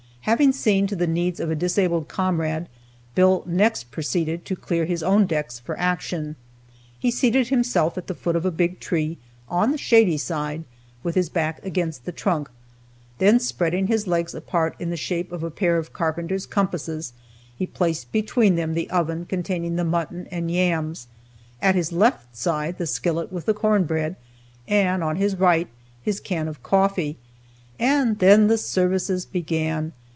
Having seen to the needs of a disabled comrade, Bill next proceeded to clear his own decks for action. He seated himself at the foot of a big tree, on the shady side, with his back against the trunk; then spreading his legs apart in the shape of a pair of carpenter's compasses, he placed between them the oven containing the mutton and yams, at his left hand the skillet with the cornbread, and on his right his can of coffee and then the services began.